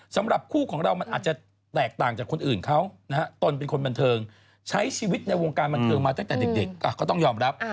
สำหรับคู่ของเรามันอาจจะแตกต่างจากคนอื่นเขานะฮะตนเป็นคนบันเทิงใช้ชีวิตในวงการบันเทิงมาตั้งแต่เด็กก็ต้องยอมรับ